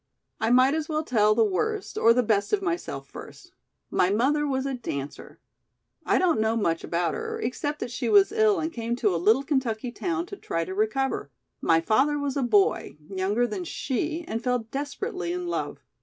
"I might as well tell the worst or the best of myself first. My mother was a dancer. I don't know much about her except that she was ill and came to a little Kentucky town to try to recover. My father was a boy, younger than she, and fell desperately in love.